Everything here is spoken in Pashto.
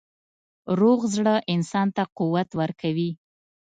روغ زړه انسان ته قوت ورکوي.